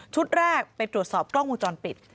แรกไปตรวจสอบกล้องวงจรปิด